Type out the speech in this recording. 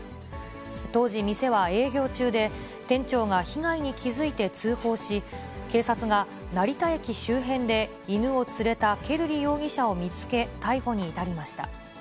当時、店は営業中で、店長が被害に気づいて通報し、警察が成田駅周辺で、犬を連れたケルリ容疑者を見つけ、逮捕に至りました。